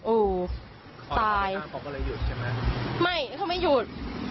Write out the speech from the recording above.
โอ้โหตายไม่เขาไม่หยุด